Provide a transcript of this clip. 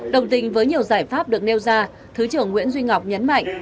đồng tình với nhiều giải pháp được nêu ra thứ trưởng nguyễn duy ngọc nhấn mạnh